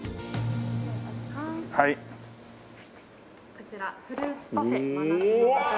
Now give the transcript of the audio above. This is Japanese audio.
こちらフルーツパフェ